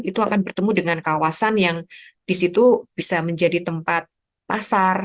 itu akan bertemu dengan kawasan yang disitu bisa menjadi tempat pasar